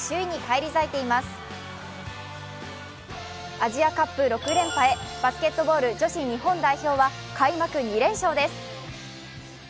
アジアカップ６連覇へバスケットボール女子日本代表は開幕２連勝です。